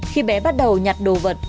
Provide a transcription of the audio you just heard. khi bé bắt đầu nhặt đồ vật